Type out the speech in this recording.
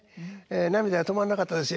涙が止まんなかったですよ